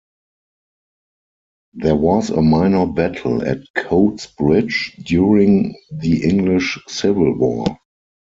There was a minor battle at Cotes Bridge during the English Civil War.